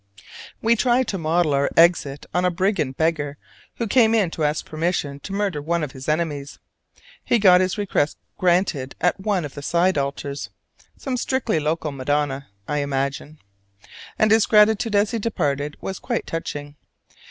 We tried to model our exit on a brigand beggar who came in to ask permission to murder one of his enemies. He got his request granted at one of the side altars (some strictly local Madonna, I imagine), and his gratitude as he departed was quite touching.